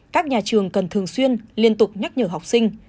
các nhà trường cần thường xuyên liên tục nhắc nhở học sinh